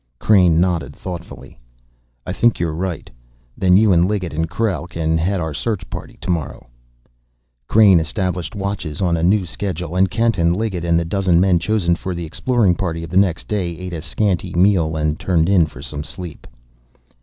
Crain nodded thoughtfully. "I think you're right. Then you and Liggett and Krell can head our search party to morrow." Crain established watches on a new schedule, and Kent and Liggett and the dozen men chosen for the exploring party of the next day ate a scanty meal and turned in for some sleep.